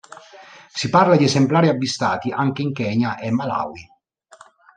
Si parla di esemplari avvistati anche in Kenya e Malawi.